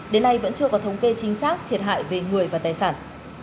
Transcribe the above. đến nay vẫn chưa có thống kê chính xác thiệt hại về người và tài sản